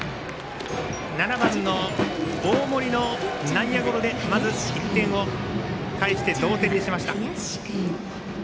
７番の大森の内野ゴロでまず１点を返して同点にしました。